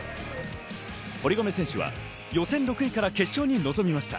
堀米選手は予選６位から決勝へ臨みました。